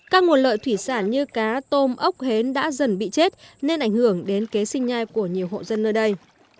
các nguồn lợi thủy sản như cá tôm ốc hến đã dần bị chết nên ảnh hưởng đến kế sinh nhai của nhiều hộ dân nơi đây